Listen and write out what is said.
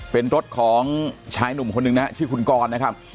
เป็นรถของชายหนุ่มคนหนึ่งนะฮะชื่อคุณกรนะครับ